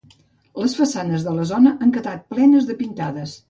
Les façanes de la zona han quedat plenes de pintades.